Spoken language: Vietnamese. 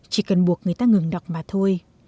chỉ cần buộc người ta ngừng đọc mà thôi